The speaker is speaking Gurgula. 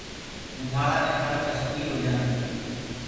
اونڍآݪآ مي ٿݪ ڪشمير هو جآندوئي